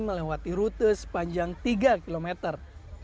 melewati rute sepanjang tiga kilometer